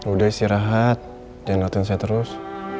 udah istirahat jangan latihan saya terus